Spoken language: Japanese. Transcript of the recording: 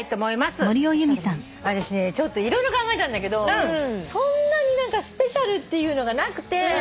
私ねちょっと色々考えたんだけどそんなに何かスペシャルっていうのがなくて。